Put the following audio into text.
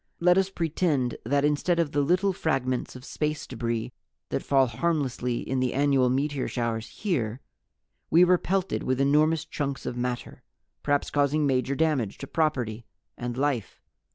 "Let us pretend that instead of the little fragments of space debris that fall harmlessly in the annual meteor showers here, we were pelted with enormous chunks of matter, perhaps causing major damage to property and life.